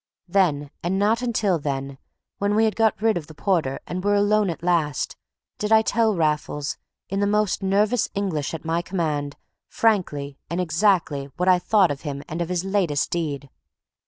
Then, and not until then, when we had got rid of the porter and were alone at last, did I tell Raffles, in the most nervous English at my command, frankly and exactly what I thought of him and of his latest deed.